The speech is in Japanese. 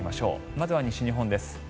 まずは西日本です。